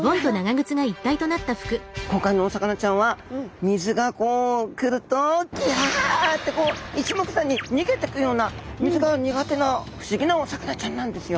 今回のお魚ちゃんは水がこう来ると「ギャ！」って一目散に逃げてくような水が苦手な不思議なお魚ちゃんなんですよ。